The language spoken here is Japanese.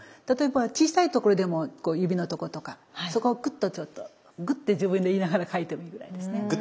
例えば小さいところでも指のとことかそこはグッとちょっとグッて自分で言いながら描いてもいいぐらいですね。